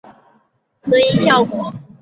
他在讲故事时模仿不同的声音效果。